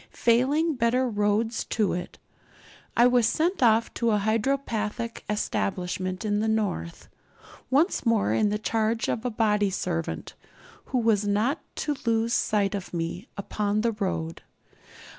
Failing better roads to it, I was sent off to a hydropathic establishment in the north, once more in the charge of a body servant, who was not to lose sight of me upon the road.